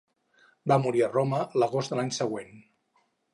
Va morir a Roma l'agost de l'any següent.